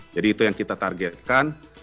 jadi itu yang kita targetkan